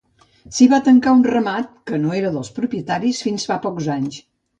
S'hi va tancar un ramat, que no era dels propietaris, fins fa pocs anys.